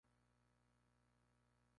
La ciudad de Siquirres es muy pintoresca.